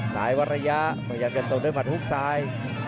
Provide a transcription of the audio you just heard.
สายวรรยะมันยังกันตรงนั้นผ่านฮุกซ้าย